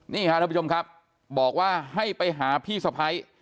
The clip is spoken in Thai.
นี่ค่ะท่านผู้ชมครับบอกว่าให้ไปหาพี่สะพ้าย